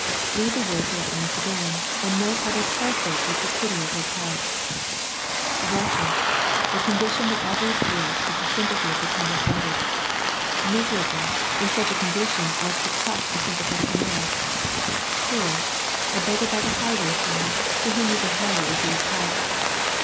Read the words yet once again, and note how they pulsate with the pity of His heart. " Wretched," the condition that ever appeals to the sympathy of the tender hearted. " Mis erable," in such a condition as to touch a sym 202 A First Century Message pathetic nature. "Poor," a beggar by the highway side, to whom you can hardly refuse help.